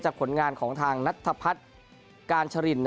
จากผลงานของทางนัทพัฒน์กาชรินนะครับ